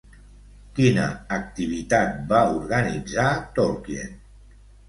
Quina activitat va organitzar Tolkien?